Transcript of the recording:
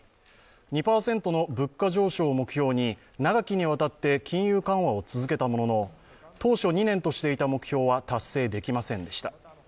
２％の物価上昇を目標に長きにわたって金融緩和を続けたものの、当初２年としていた目標は達成できませんでした。